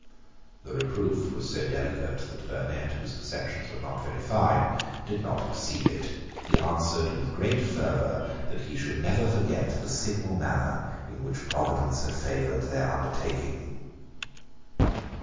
The reproof was so delicate that Burnet, whose perceptions were not very fine, did not perceive it. He answered with great fervour that he should never forget the signal manner in which Providence had favoured their undertaking.